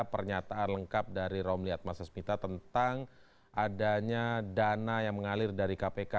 pernyataan lengkap dari romli atmasesmita tentang adanya dana yang mengalir dari kpk